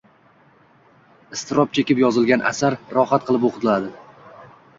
Iztirob chekib yozilgan asar rohat qilib o’qiladi.